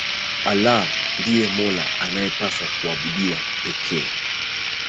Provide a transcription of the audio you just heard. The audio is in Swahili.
allah ndiye mola anayepaswa kuabudiwa pekee